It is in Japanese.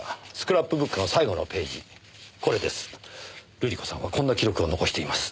瑠璃子さんはこんな記録を残しています。